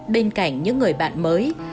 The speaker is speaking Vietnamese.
bên cạnh những người bạn mới